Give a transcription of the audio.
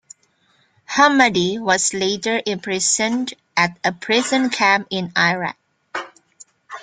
Hammadi was later imprisoned at a prison camp in Iraq.